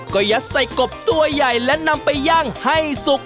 ก็ยัดใส่กบตัวใหญ่และนำไปย่างให้สุก